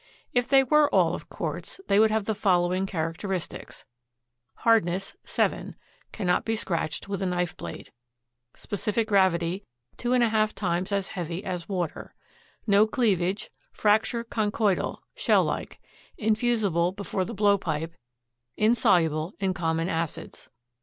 If they were all of Quartz they would have the following characteristics: Hardness, 7 (cannot be scratched with a knife blade); specific gravity, two and a half times as heavy as water; no cleavage; fracture conchoidal (shell like); infusible before the blowpipe; insoluble in common acids.